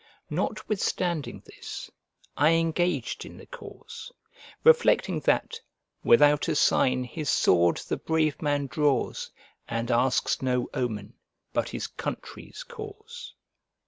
Notwithstanding this, I engaged in the cause, reflecting that, "Without a sign, his sword the brave man draws, And asks no omen but his country's cause."